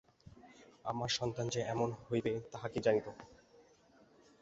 আমার সন্তান যে এমন হইবে তাহা কে জানিত?